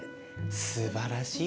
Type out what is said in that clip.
すばらしいよね。